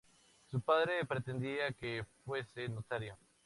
Su padre pretendía que fuese notario.